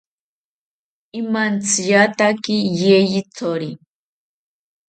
Imantsiataki yeyithori